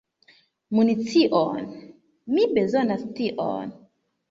Municion! Mi bezonas tion.